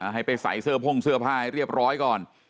ให้ไปใส่เสื้อพ่งเสื้อผ้าให้เรียบร้อยก่อน